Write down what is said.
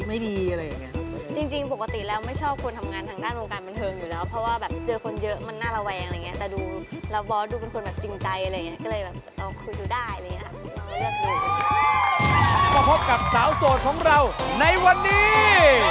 มาพบกับสาวโสดของเราในวันนี้